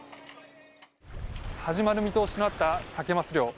始まる見通しとなったサケマス漁。